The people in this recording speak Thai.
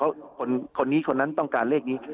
เขาขายไม่ออกคนนั้นต้องการเลขนี้